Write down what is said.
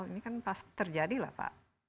ini kan pasti terjadi lah pak